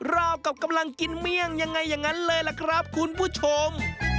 ราวกับกำลังกินเมี่ยงยังไงเลยล่ะครับคุณผู้ชม